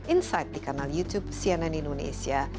insight di kanal youtube cnn indonesia